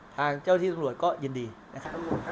ทางเจ้าที่สำรวจก็ยินดีครับสำรวจท่านชื่อใหญ่อ่า